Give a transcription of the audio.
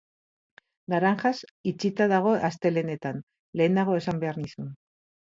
Naranjas itxita dago astelehenetan, lehenago esan behar nizun.